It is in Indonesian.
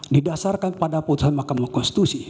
didasarkan pada putusan mahkamah konstitusi